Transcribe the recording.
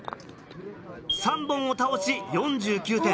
３本を倒し４９点。